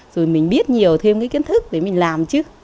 rồi mình biết nhiều thêm cái kiến thức để mình làm chứ